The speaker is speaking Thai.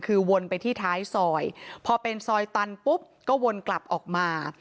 คือวนไปที่ท้ายซอยพอเป็นซอยตันปุ๊บก็วนกลับออกมา